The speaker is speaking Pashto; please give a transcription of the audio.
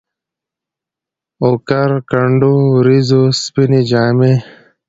اوکر کنډو ، وریځو سپيني جامې